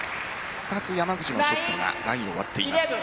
２つ、山口のショットがラインを割っています。